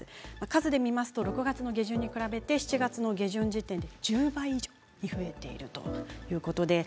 数で見ますと６月の下旬に比べて７月の下旬時点で１０倍以上に増えているということです。